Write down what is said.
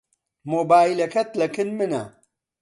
مۆبایلەکەت لەکن منە.